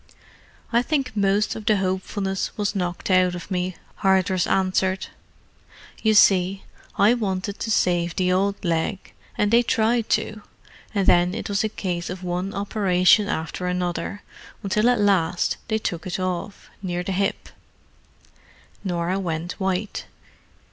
"I think most of the hopefulness was knocked out of me," Hardress answered. "You see, I wanted to save the old leg, and they tried to: and then it was a case of one operation after another, until at last they took it off—near the hip." Norah went white.